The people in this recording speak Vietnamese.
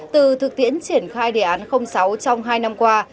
từ thực tiễn triển khai đề án sáu trong hai năm qua